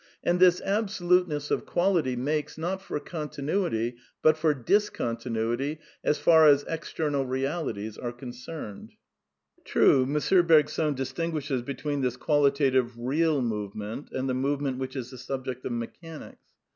And this " absoluteness " of quality makes, not for continuity, but for discontinuity, as far as ^^ external realities " are concerned. True, M. Bergson distinguishes between this qualitative real ^' movement and the movement which is the subject of mechanics.